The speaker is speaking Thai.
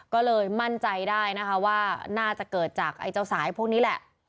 ก็เลยมั่นใจได้นะคะว่าน่าจะเกิดจากไอ้เจ้าสายพวกนี้แหละ